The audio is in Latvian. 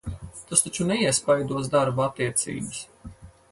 Tas taču neiespaidos darba attiecības?